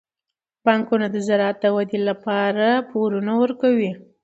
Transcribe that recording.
بانکونه د زراعت د ودې لپاره پورونه ورکوي.